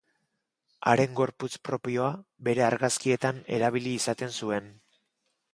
Haren gorputz propioa bere argazkietan erabili izaten zuen.